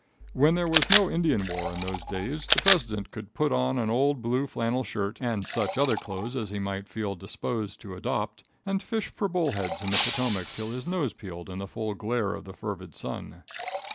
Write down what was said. When there was no Indian war in those days the president could put on an old blue flannel shirt and such other clothes as he might feel disposed to adopt, and fish for bull heads in the Potomac till his nose peeled in the full glare of the fervid sun.